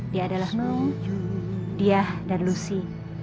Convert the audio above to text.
dia adalah nung dia dan lucy